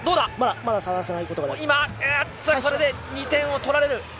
これで２点取られる。